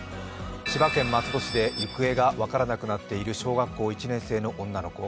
千葉県松戸市で行方が分からなくなっている小学校１年生の女の子。